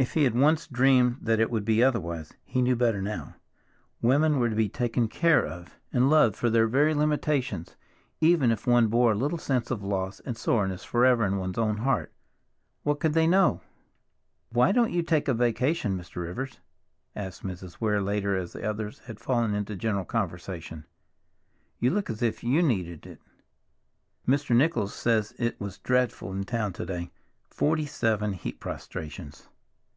If he had once dreamed that it would be otherwise, he knew better now. Women were to be taken care of and loved for their very limitations, even if one bore a little sense of loss and soreness forever in one's own heart. What could they know? "Why don't you take a vacation, Mr. Rivers?" asked Mrs. Weir later as the others had fallen into general conversation. "You look as if you needed it. Mr. Nichols says it was dreadful in town to day; forty seven heat prostrations."